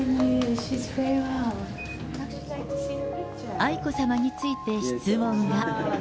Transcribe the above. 愛子さまについて質問が。